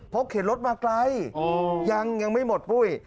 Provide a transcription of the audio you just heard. เพราะเข็นรถมาไกลยังยังไม่หมดปุ้ย